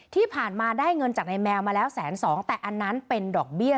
ที่ผ่านมาได้เงินจากนายแมวมาแล้วแสนสองแต่อันนั้นเป็นดอกเบี้ย